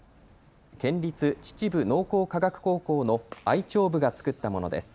県立秩父農工科学高校の愛鳥部が作ったものです。